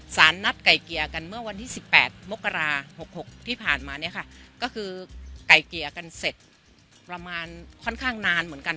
สารนัดไก่เกลี่ยกันเมื่อวันที่๑๘มกรา๖๖ที่ผ่านมาเนี่ยค่ะก็คือไก่เกลี่ยกันเสร็จประมาณค่อนข้างนานเหมือนกัน